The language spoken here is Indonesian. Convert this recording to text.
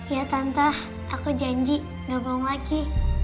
ya tante aku janji gak bohong lagi